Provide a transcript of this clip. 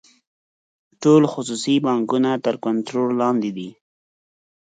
ټول خصوصي بانکونه تر کنټرول لاندې دي.